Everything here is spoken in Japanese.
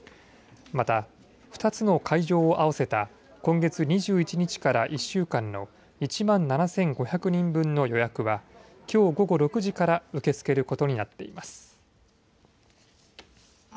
また、２つの会場を合わせた今月２１日から１週間の１万７５００人分の予約はきょう午後６時から受け付けることになっています。